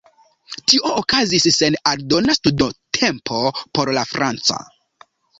Tio okazis sen aldona studotempo por la franca.